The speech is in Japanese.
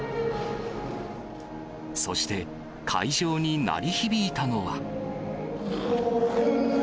そして、会場に鳴り響いたのは。